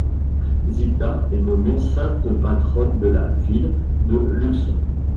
Zita est nommée sainte patronne de la ville de Lucques.